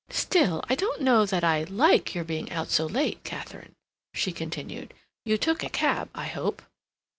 "Still, I don't know that I like your being out so late, Katharine," she continued. "You took a cab, I hope?"